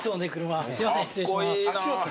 すいません失礼します。